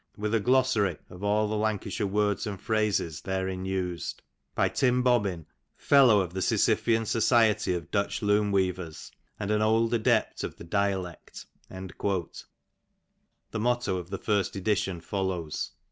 '' With a Glossary of all the Lancashire Words and Phrases therein *' used. By Tim Bobbin, Fellow of the Sisyphian Society of Dutch '' Loom weavers, and an old adept of the dialect."*^ (The motto of the first edition follows.)